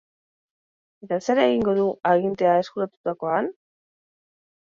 Eta zer egingo du agintea eskuratutakoan?